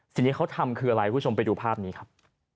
สิ่งที่เขาทำคืออะไรคุณผู้ชมไปดูภาพนี้ครับ